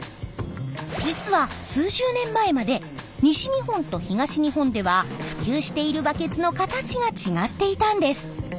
実は数十年前まで西日本と東日本では普及しているバケツの形が違っていたんです。